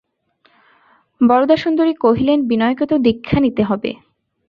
বরদাসুন্দরী কহিলেন, বিনয়কে তো দীক্ষা নিতে হবে।